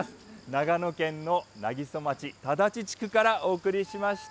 長野県の南木曽町田立地区からお送りしました。